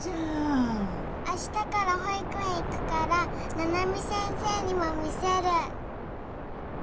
明日から保育園行くから七海先生にも見せる。